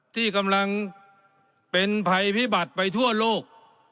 ที่กำลังเป็นภัยพิบัติไปทั่วโลก